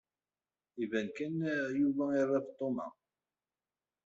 Iban kan Yuba ira Feṭṭuma.